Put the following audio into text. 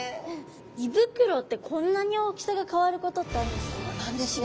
胃袋ってこんなに大きさが変わることってあるんですね